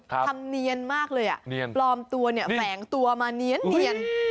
ครับทำเนียนมากเลยอ่ะเนียนปลอมตัวเนี้ยแฝงตัวมาเนียนเนียน